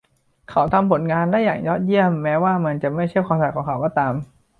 เขาทำผลงานได้อย่างยอดเยี่ยมแม้ว่ามันจะไม่ใช่ความถนัดของเขาก็ตาม